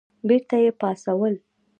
بېرته یې پاڅول.